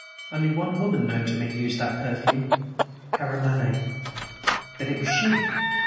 Only one woman known to me used that perfume Karamaneh. Then it was she!